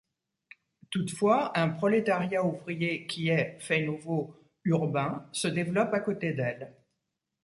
Toutefois, un prolétariat ouvrier qui est, fait nouveau, urbain se développe côté à d'elles.